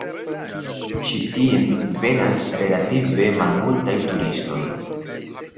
Ĉi tien venas relative malmultaj turistoj.